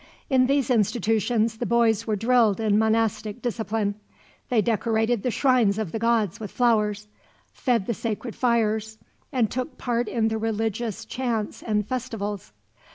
In these institutions the boys were drilled in monastic discipline. They decorated the shrines of the gods with flowers, fed the sacred fires, and took part in the religious chants and festivals.